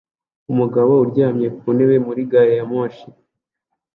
Umugabo uryamye ku ntebe muri gari ya moshi